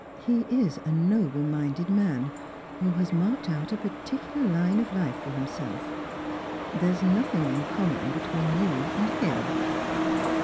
He is a noble minded man, who has marked out a particular line of life for himself. There is nothing in common between you and him."